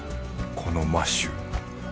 このマッシュ。